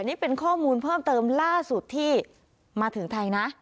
นี่เป็นข้อมูลเพิ่มเติมล่าสุดที่มาถึงไทยนะ